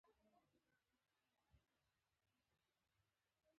بهلول په ځواب کې وویل: نه ډېر داسې کارونه شته.